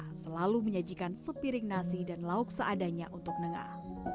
mereka selalu menyajikan sepiring nasi dan lauk seadanya untuk nengah